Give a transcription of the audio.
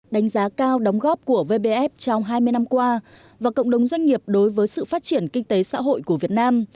đánh giá cao đóng góp của vbf trong hai mươi năm qua và cộng đồng doanh nghiệp đối với sự phát triển kinh tế xã hội của việt nam